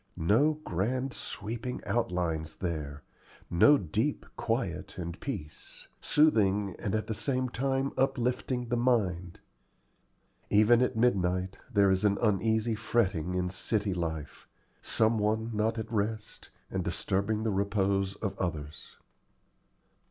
No grand sweeping outlines there, no deep quiet and peace, soothing and at the same time uplifting the mind. Even at midnight there is an uneasy fretting in city life some one not at rest, and disturbing the repose of others.